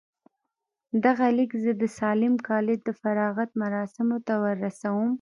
دغه ليک زه د ساليم کالج د فراغت مراسمو ته ورسولم.